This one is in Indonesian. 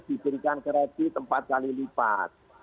diberikan kredit empat kali lipat